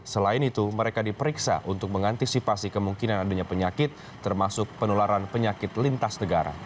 selain itu mereka diperiksa untuk mengantisipasi kemungkinan adanya penyakit termasuk penularan penyakit lintas negara